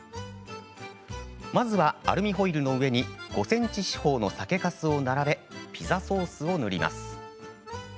まずはアルミホイルの上に５ｃｍ四方の酒かすを並べピザソースを塗ります。